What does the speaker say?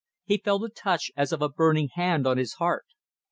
He felt a touch as of a burning hand on his heart.